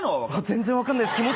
全然分かんないです。